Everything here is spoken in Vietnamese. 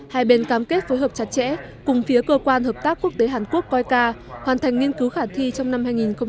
hai bên cam kết phối hợp chặt chẽ cùng phía cơ quan hợp tác quốc tế hàn quốc coica hoàn thành nghiên cứu khả thi trong năm hai nghìn hai mươi